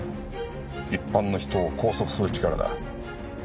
一般の人を拘束する力だ。